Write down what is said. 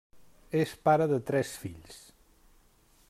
És pare de tres fills.